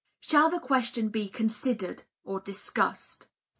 Shall the Question be Considered (or discussed)?